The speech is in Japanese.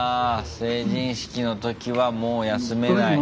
成人式の時はもう休めない。